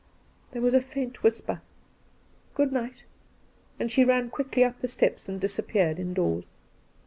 There was a faint whi&per, ' Good night,' and she ran quickly up the steps and disappeared indoors.